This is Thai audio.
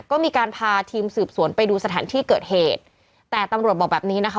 ก็มีการพาทีมสืบสวนไปดูสถานที่เกิดเหตุแต่ตำรวจบอกแบบนี้นะคะ